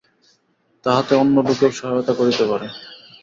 তাহাতে অন্য লোকেও সহায়তা করিতে পারে।